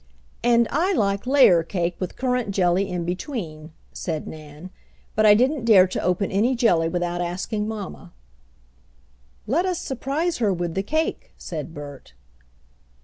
"And I like layer cake, with currant jelly in between," said Nan. "But I didn't dare to open any jelly without asking mamma." "Let us surprise her with the cake," said Bert.